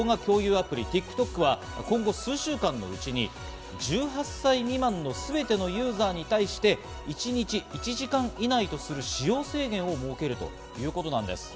アプリ・ＴｉｋＴｏｋは今後、数週間のうちに１８歳未満のすべてのユーザーに対して、一日１時間以内とする使用制限を設けるということなんです。